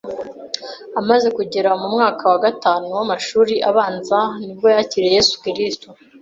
Amaze kugera mu mwaka wa gatanu w’amashuri abanza ni bwo yakiriye Yesu Kristo